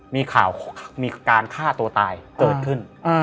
มีข่าวมีการฆ่าตัวตายเกิดขึ้น